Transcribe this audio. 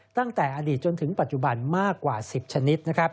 ตั้งแต่อดีตจนถึงปัจจุบันมากกว่า๑๐ชนิด